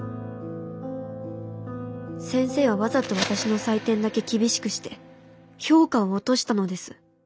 先生はわざと私の採点だけ厳しくして評価を落としたのです。